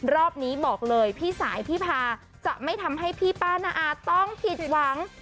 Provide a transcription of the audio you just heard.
รอบนี้บอกเลยพี่สายพี่พาจะไม่ทำให้พี่ป้านาอาต้องผิดหวัง